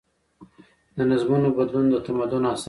د نظمونو بدلون د تمدن اساس دی.